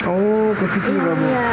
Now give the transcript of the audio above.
oh begitu ya